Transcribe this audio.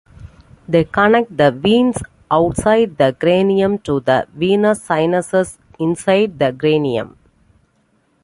They connect the veins outside the cranium to the venous sinuses inside the cranium.